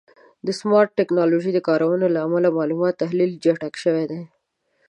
د سمارټ ټکنالوژیو د کارونې له امله د معلوماتو تحلیل چټک شوی دی.